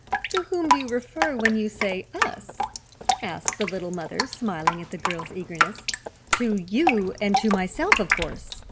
"To whom do you refer when you say 'us'!" asked the Little Mother, smiling at the girl's earnestness. "To you and to myself, of course."